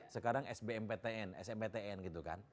sekarang smptn gitu kan